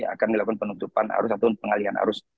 akan dilakukan penutupan arus ataupun pengalian arus